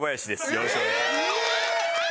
よろしくお願いします。